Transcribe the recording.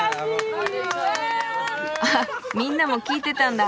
あっみんなも聞いてたんだ。